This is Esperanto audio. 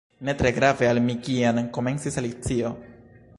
"Ne tre grave al mi kien—" komencis Alicio.